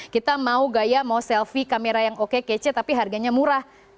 kita mau gaya mau selfie kamera yang oke kece tapi harganya murah